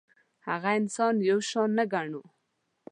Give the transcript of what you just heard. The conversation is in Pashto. هغه انسان یو شان نه ګڼو.